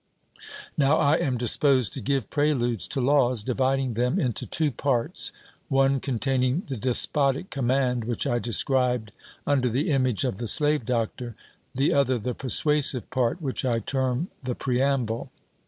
Now I am disposed to give preludes to laws, dividing them into two parts one containing the despotic command, which I described under the image of the slave doctor the other the persuasive part, which I term the preamble.